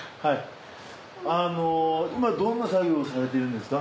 あの今どんな作業されてるんですか？